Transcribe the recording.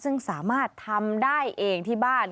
ซึ่งสามารถทำได้เองที่บ้าน